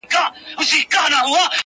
• چي پر خره زورور نه یې پهلوانه,